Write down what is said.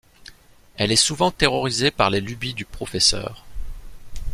Elle est souvent terrorisée par les lubies du professeur.